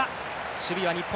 守備は日本